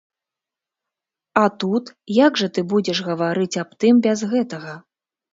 А тут, як жа ты будзеш гаварыць аб тым без гэтага?